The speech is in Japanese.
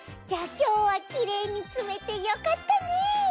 じゃあきょうはきれいにつめてよかったね！